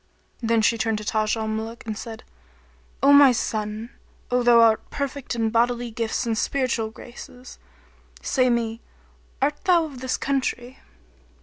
Then she turned to Taj al Muluk and said, "O my son! O thou who art perfect in bodily gifts and spiritual graces; say me, art thou of this country?"